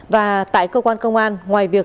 và tại cơ quan công an ngoài việc